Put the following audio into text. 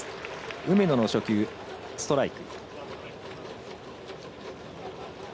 梅野の初球、ストライク。